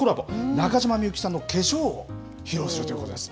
中島みゆきさんのけしょうを披露するということです。